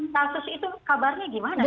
enam kasus itu kabarnya gimana sih